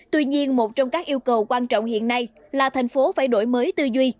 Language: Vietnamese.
tuy nhiên một trong các yêu cầu quan trọng hiện nay là thành phố phải đổi mới tư duy